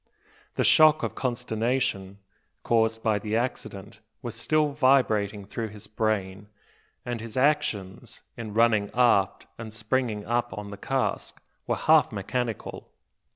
The shock of consternation caused by the accident was still vibrating through his brain; and his actions, in running aft, and springing up on the cask, were half mechanical.